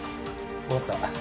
わかった。